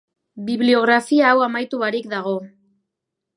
Bibliografia hau amaitu barik dago.